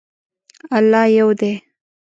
الله یو دی